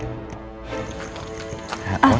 baik banget sih nih cowok